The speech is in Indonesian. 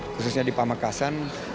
khususnya di pamekasan